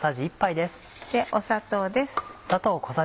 砂糖です。